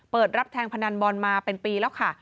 รับแทงพนันบอลมาเป็นปีแล้วค่ะ